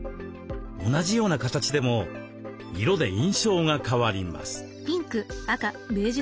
同じような形でも色で印象が変わります。